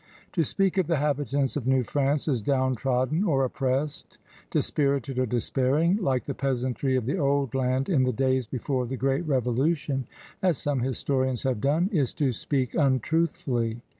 To speak of the habitants of New France as downtrodden or oppressed, dispirited or despair ing, like the peasantry of the old land in the days before the great Revolution, as some historians have done, is to speak untruthfully.